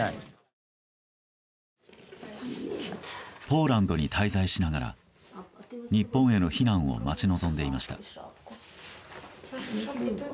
ポーランドに滞在しながら日本への避難を待ち望んでいました。